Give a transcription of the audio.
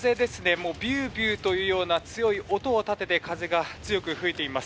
もう、ビュービューというような強い音を立てて風が強く吹いています。